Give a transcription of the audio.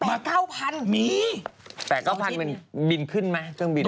แปะ๙๐๐๐มันบีนขึ้นไหม